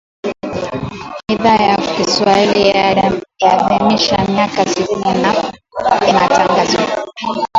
Idhaa ya Kiswahili yaadhimisha miaka sitini ya Matangazo